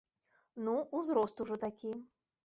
Ну, узрост ужо такі!